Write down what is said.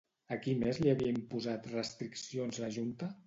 A qui més li havia imposat restriccions la Junta?